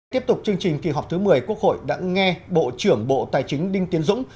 tiếp tục chương trình kỳ họp thứ một mươi quốc hội đã nghe bộ trưởng bộ tài chính đinh tiến dũng